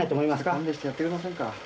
・勘弁してやってくれませんか？